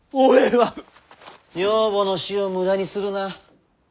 女房の死を無駄にするな。